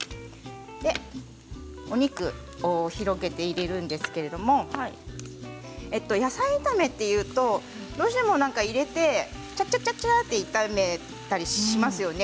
お肉を広げて入れるんですけれど野菜炒めというとどうしても入れてちゃちゃっと炒めたりしますよね。